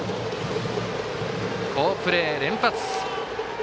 好プレー連発。